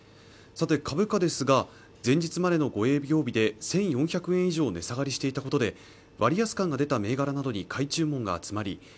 さて株価ですが前日までの５営業日で１４００円以上値下がりしていたことで割安感が出た銘柄などに買い注文が集まり